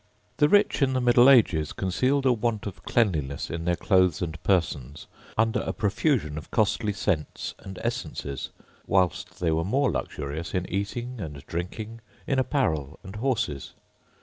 The rich in the middle ages concealed a want of cleanliness in their clothes and persons under a profusion of costly scents and essences, whilst they were more luxurious in eating and drinking, in apparel and horses.